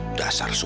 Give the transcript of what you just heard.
udah deh sana sana